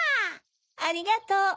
ありがとう。